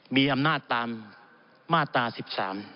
มีอำนาจตามมาตราสิบสาม